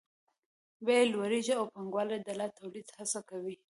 بیې لوړېږي او پانګوال د لا تولید هڅه کوي